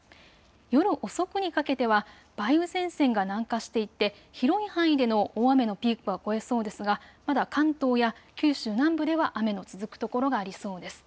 夜遅くにかけては梅雨前線が南下していって広い範囲での大雨のピークは越えそうですがまだ関東や九州南部では雨の続く所がありそうです。